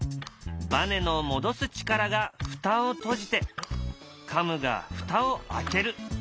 ばねの戻す力が蓋を閉じてカムが蓋を開ける。